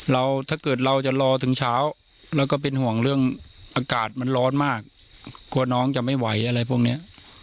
ถ้าเกิดเราจะรอถึงเช้าแล้วก็เป็นห่วงเรื่องอากาศมันร้อนมากกลัวน้องจะไม่ไหวอะไรพวกเนี้ย